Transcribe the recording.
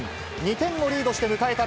２点をリードして迎えた